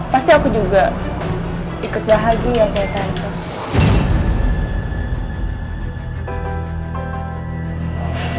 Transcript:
pasti aku juga ikut bahagia kayak tante